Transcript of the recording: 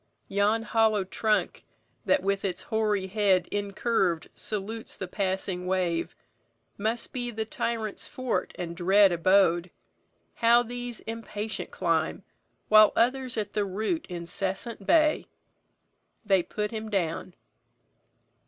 Yon hollow trunk, That with its hoary head incurv'd salutes The passing wave, must be the tyrant's fort And dread abode. How these impatient climb, While others at the root incessant bay! They put him down."